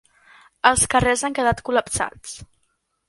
Els carrers han quedat col·lapsats.